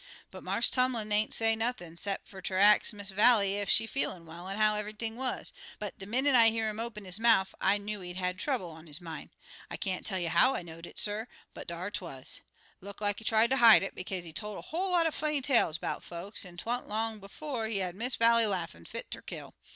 "But Marse Tumlin ain't say nothin', 'cep' fer ter ax Miss Vallie ef she feelin' well, an' how eve'ything wuz, but de minnit I hear 'im open his mouf I know'd he had trouble on his min'. I can't tell you how I know'd it, suh, but dar 'twuz. Look like he tried to hide it, bekaze he tol' a whole lot of funny tales 'bout folks, an' 'twa'n't long befo' he had Miss Vallie laughin' fit ter kill.